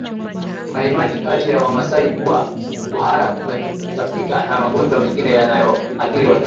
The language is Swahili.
Kuna imani kati ya Wamasai kuwa kuhara kutapika na magonjwa mengine yanayoathiri watoto